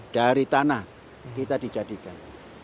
dari tanah kita dijadikan